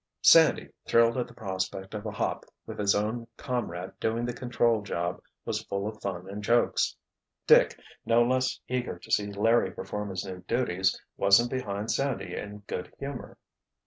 Sandy, thrilled at the prospect of a hop with his own comrade doing the control job, was full of fun and jokes. Dick, no less eager to see Larry perform his new duties, wasn't behind Sandy in good humor.